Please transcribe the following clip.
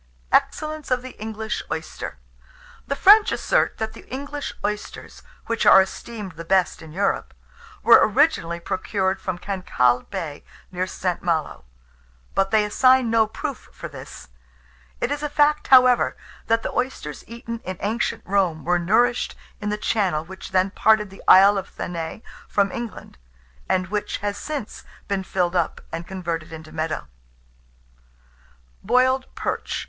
EXCELLENCE OF THE ENGLISH OYSTER. The French assert that the English oysters, which are esteemed the best in Europe, were originally procured from Cancalle Bay, near St. Malo; but they assign no proof for this. It is a fact, however, that the oysters eaten in ancient Rome were nourished in the channel which then parted the Isle of Thanet from England, and which has since been filled up, and converted into meadows. BOILED PERCH.